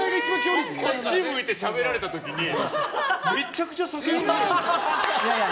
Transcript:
こっち向いてしゃべられた時にめちゃくちゃ酒臭い。